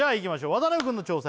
渡辺くんの挑戦